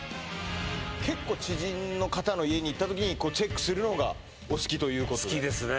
結構知人の方の家に行ったときにチェックするのがお好きということで好きですね